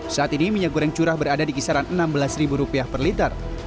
saat ini minyak goreng curah berada di kisaran rp enam belas per liter